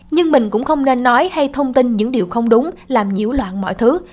nhưng mình cũng không nên nói hay thông tin những điều không đúng làm nhiễu loạn mọi thứ